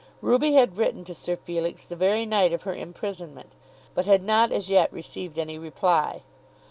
Ruby had written to Sir Felix the very night of her imprisonment, but had not as yet received any reply.